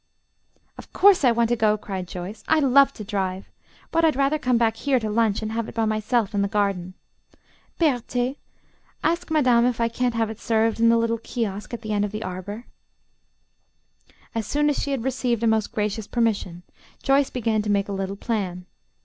"Of course I want to go," cried Joyce. "I love to drive. But I'd rather come back here to lunch and have it by myself in the garden. Berthé, ask madame if I can't have it served in the little kiosk at the end of the arbor." As soon as she had received a most gracious permission, Joyce began to make a little plan.